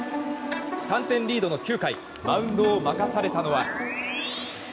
３点リードの９回マウンドを任されたのは。